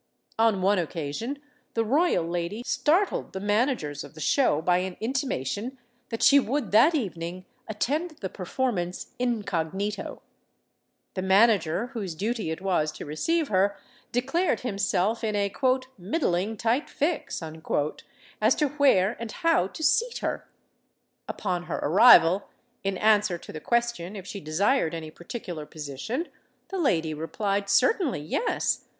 On one occasion the royal lady startled the managers of the show by an intimation that she would that evening attend the performance incognito. The manager whose duty it was to receive her declared himself in a "middling tight fix" as to where and how to seat her. Upon her arrival, in answer to the question if she desired any particular position, the lady replied, "Certainly, yes.